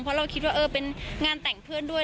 เพราะเราคิดว่าเออเป็นงานแต่งเพื่อนด้วย